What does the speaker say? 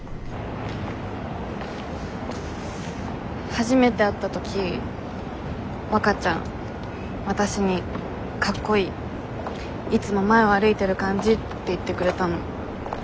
初めて会った時わかちゃんわたしに「かっこいい」「いつも前を歩いてる感じ」って言ってくれたの覚えてる？